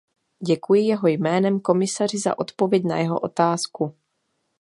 Děkuji jeho jménem komisaři za odpověď na jeho otázku.